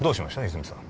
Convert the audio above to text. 泉さん